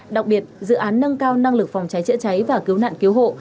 đặc biệt dự án nâng cao năng lực phòng cháy chữa cháy và cứu nạn cứu hộ